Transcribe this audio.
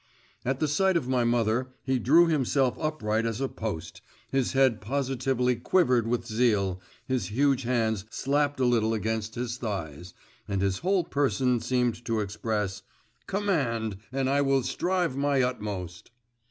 At the sight of my mother, he drew himself upright as a post, his head positively quivered with zeal, his huge hands slapped a little against his thighs, and his whole person seemed to express: 'Command!… and I will strive my utmost!